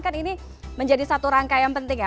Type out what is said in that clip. kan ini menjadi satu rangka yang penting ya